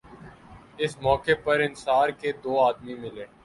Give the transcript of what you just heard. اس موقع پر انصار کے دو آدمی ملے